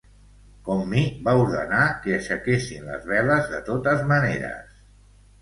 Commi va ordenar que aixequessin les veles de totes maneres.